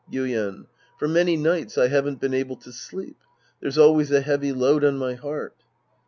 Yuien. For many nights I haven't been able to sleep. There's always a heavy load on my heart.